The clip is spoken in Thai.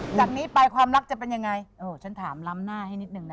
จากนี้ไปความรักจะเป็นยังไงเออฉันถามล้ำหน้าให้นิดนึงนะ